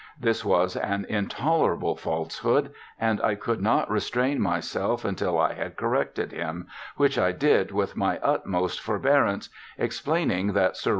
This was an intolerable falsehood, and I could not restrain myself until I had corrected him, which I did with my utmost forbearance, explaining that Sir.